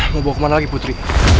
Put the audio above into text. mau bawa kemana lagi putri